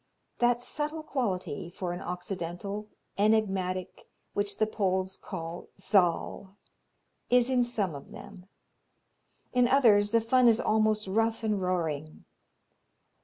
That subtle quality, for an Occidental, enigmatic, which the Poles call Zal, is in some of them; in others the fun is almost rough and roaring.